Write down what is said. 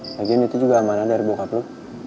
lagian itu juga amanah dari bokap lo